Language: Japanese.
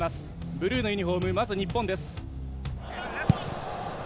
ブルーのユニホームまず日本です。